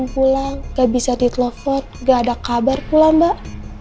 beliau belum pulang gak bisa ditelepon gak ada kabar pula mbak